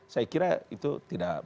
saya kira itu tidak